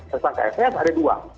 sesang kfs ada dua